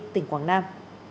tỉnh quảng nam